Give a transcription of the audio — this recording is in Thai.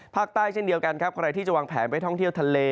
ภาคใต้เช่นเดียวกันใครที่จะวางแผนไปท่องเที่ยวทะเล